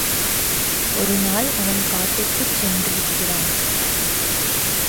ஒரு நாள் அவன் காட்டிற்குச் சென்றிருக்கிறான்.